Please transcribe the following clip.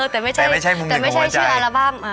แต่ไม่ใช่ชื่อแอลบั้ม